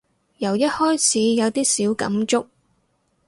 由一開始有啲小感觸